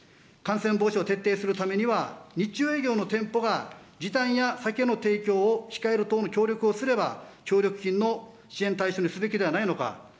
感染防止を徹底するためには、日中営業の店舗が時短や酒の提供を控える等の協力をすれば協力金の支援対象にすべきではないのか。